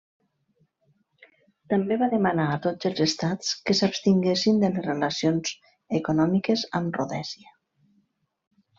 També va demanar a tots els estats que s'abstinguessin de les relacions econòmiques amb Rhodèsia.